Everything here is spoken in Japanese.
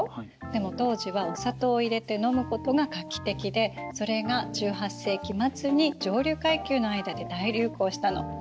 でも当時はお砂糖を入れて飲むことが画期的でそれが１８世紀末に上流階級の間で大流行したの。